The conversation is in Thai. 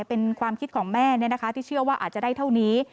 เป็นความคิดของแม่ที่เชื่อว่าอาจจะได้เท่านี้